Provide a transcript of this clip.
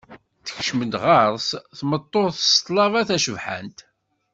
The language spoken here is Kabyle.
Tekcem-d ɣer-s tmeṭṭut s tlaba d tacebḥant